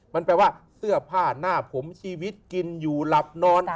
มันแปลว่าเสื้อผ้าหน้าผมชีวิตกินอยู่หลับนอน